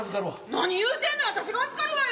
何言うてんの私が預かるわよ。